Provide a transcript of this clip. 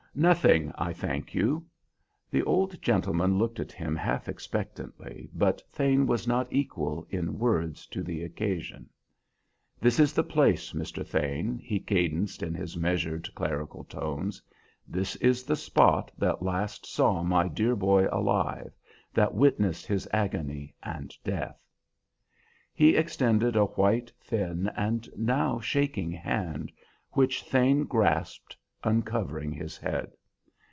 "Nothing, I thank you." The old gentleman looked at him half expectantly, but Thane was not equal, in words, to the occasion. "This is the place, Mr. Thane," he cadenced, in his measured, clerical tones. "This is the spot that last saw my dear boy alive, that witnessed his agony and death." He extended a white, thin, and now shaking hand, which Thane grasped, uncovering his head.